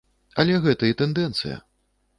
Але гэта і тэндэнцыя.